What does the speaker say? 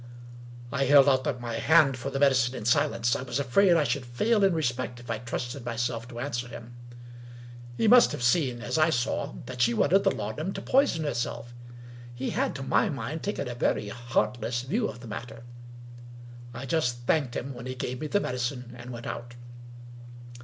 I held out my hand for the medicine in silence: I was afraid I should fail in respect if I trusted myself to answer him. He must have seen, as I saw, that she wanted the laudanum to poison herself. He had, to my mind, taken a very heartless view of the matter. I just thanked him when he gave me the medicine — and went out.